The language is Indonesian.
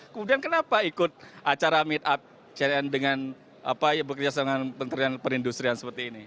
kemudian kenapa ikut acara meet up dengan apa ya bekerjasama dengan perindustrian seperti ini